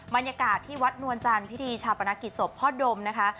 บรรยากาศที่วัดนวลจันทร์พิธีชาปนกิจศพพ่อดมนะคะ